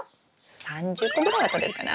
３０個ぐらいはとれるかな。